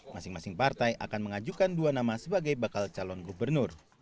masing masing partai akan mengajukan dua nama sebagai bakal calon gubernur